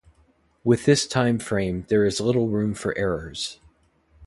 With this time frame, there is little room for errors.